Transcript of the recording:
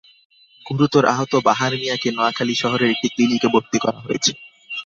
গুরুতর আহত বাহার মিয়াকে নোয়াখালী শহরের একটি ক্লিনিকে ভর্তি করা হয়েছে।